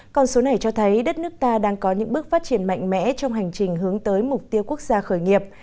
con số này cho thấy đất nước ta đang có những bước phát triển mạnh mẽ trong hành trình hướng tới mục tiêu quốc gia khởi nghiệp